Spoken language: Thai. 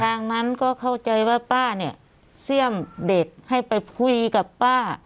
ทางนั้นก็เข้าใจว่าป้าเนี่ยเสี่ยมเด็กให้ไปคุยกับป้า